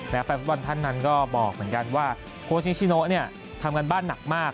และแฟนฟุตบอลท่านนั้นก็บอกเหมือนกันว่าโค้ชนิชิโนเนี่ยทำการบ้านหนักมาก